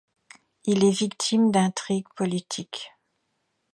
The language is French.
Il est victime d'intrigues politiques.